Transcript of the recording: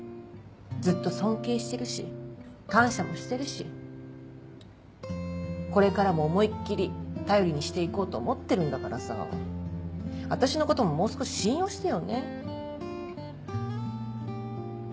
ずっと尊敬してるし感謝もしてるしこれからも思いっ切り頼りにしていこうと思ってるんだからさぁ私のことももう少し信用してよね？